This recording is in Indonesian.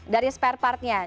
dari spare partnya